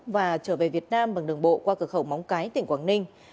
và trở về việt nam bằng đường bộ qua cửa khẩu móng cái tỉnh quảng ninh